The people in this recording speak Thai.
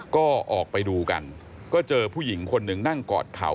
ก็ออกไปดูกันก็เจอผู้หญิงคนหนึ่งนั่งกอดเข่า